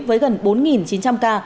với gần bốn chín trăm linh ca